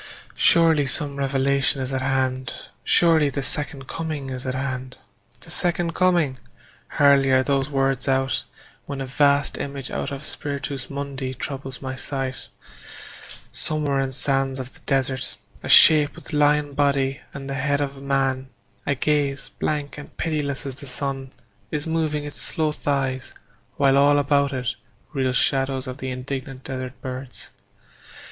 Surely some revelation is at hand; Surely the Second Coming is at hand. The Second Coming! Hardly are those words out When a vast image out of Spiritus Mundi Troubles my sight: somewhere in sands of the desert A shape with lion body and the head of a man, A gaze blank and pitiless as the sun, Is moving its slow thighs, while all about it Reel shadows of the indignant desert birds.